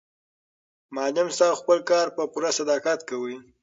معلم صاحب خپل کار په پوره صداقت کاوه.